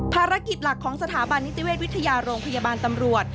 ภารกิจหลักของสถาบันนิติเวชวิทยาโรงพยาบาลตำรวจ